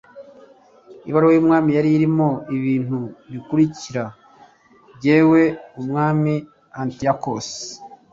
ibaruwa y'umwami yari irimo ibi bikurikira: jyewe, umwami antiyokusi